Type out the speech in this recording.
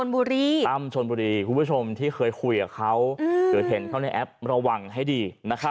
คุณผู้ชมที่เคยคุยกับเขาเคยเห็นเขาในแอประวังให้ดี